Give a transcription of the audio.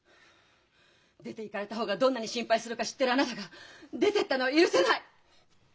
出ていかれた方がどんなに心配するか知ってるあなたが出てったのは許せない！